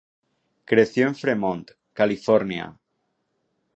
Creció en Fremont, California.